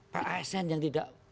pak asn yang tidak